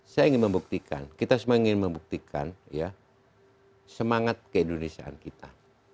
saya ingin membuktikan kita semua ingin membuktikan semangat keindonesiaan kita